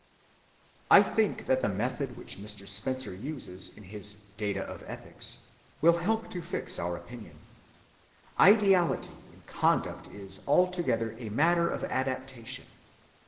I think that the method which Mr. Spencer uses in his Data of Ethics will help to fix our opinion. Ideality in conduct is altogether a matter of adaptation.